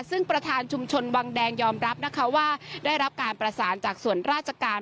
ซึ่งประธานชุมชนวังแดงยอมรับนะคะว่าได้รับการประสานจากส่วนราชการ